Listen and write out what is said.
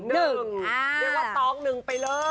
เรียกว่าต้อง๑ไปเลย